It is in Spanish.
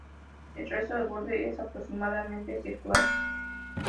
El resto del borde es aproximadamente circular.